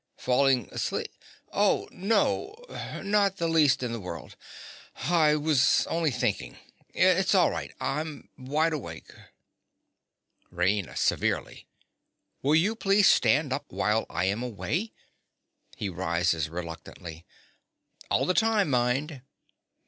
Falling aslee—? Oh, no, not the least in the world: I was only thinking. It's all right: I'm wide awake. RAINA. (severely). Will you please stand up while I am away. (He rises reluctantly.) All the time, mind.